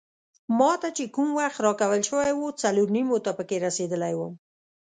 ما ته چې کوم وخت راکول شوی وو څلور نیمو ته پکې رسیدلی وم.